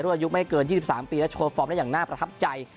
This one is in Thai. อายุไม่เกิน๒๓ปีและโชว์ฟอร์มได้อย่างน่าประทับใจ